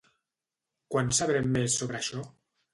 Quan sabrem més sobre això?